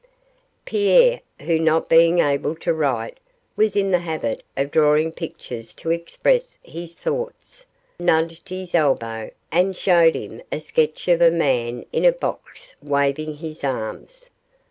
Pierre who not being able to write, was in the habit of drawing pictures to express his thoughts nudged his elbow and showed him a sketch of a man in a box waving his arms.